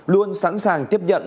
luôn sẵn sàng tiếp nhận